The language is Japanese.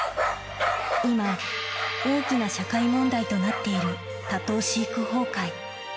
今、大きな社会問題となっている多頭飼育崩壊。